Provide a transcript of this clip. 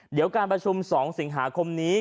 เดี๋ยวการประชุม๒สิงหาคมนี้